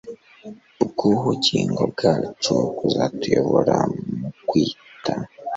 bw’ubugingo bwacu kuzatuyobora mu kwita